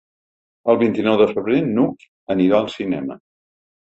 El vint-i-nou de febrer n'Hug anirà al cinema.